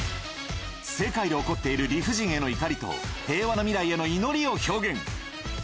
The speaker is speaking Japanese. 世界で起こっている理不尽への怒りと、平和な未来への祈りを表現。